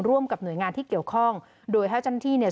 ร่วมกับหน่วยงานที่เกี่ยวข้องโดยให้เจ้าหน้าที่เนี่ย